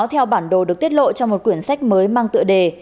theo bản đồ được tiết lộ trong một quyển sách mới mang tựa đề